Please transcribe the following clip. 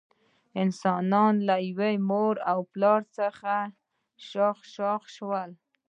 انسانان له یوه مور او پلار څخه شاخ شاخ شول.